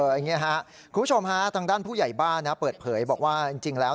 อย่างนี้ครับคุณผู้ชมฮะทางด้านผู้ใหญ่บ้านนะเปิดเผยบอกว่าจริงแล้ว